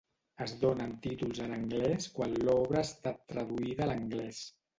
Es donen títols en anglès quan l'obra ha estat traduïda a l'anglès.